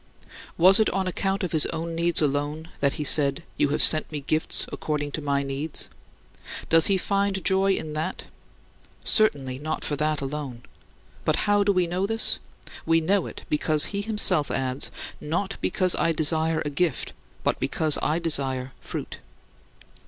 41. Was it on account of his own needs alone that he said, "You have sent me gifts according to my needs?" Does he find joy in that? Certainly not for that alone. But how do we know this? We know it because he himself adds, "Not because I desire a gift, but because I desire fruit."